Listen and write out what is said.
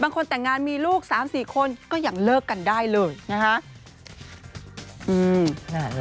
แต่งงานมีลูก๓๔คนก็ยังเลิกกันได้เลยนะฮะ